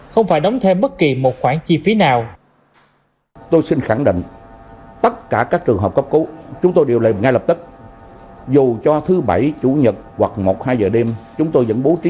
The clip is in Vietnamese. không phải đóng thêm bất kỳ một khoản chữa